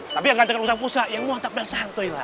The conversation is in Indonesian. tapi yang ganteng rusak pusak yang muatak dan santai lah